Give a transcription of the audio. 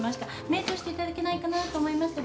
目通していただけないかなと思いまして。